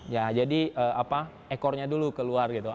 ya jadi apa ekornya dulu keluar gitu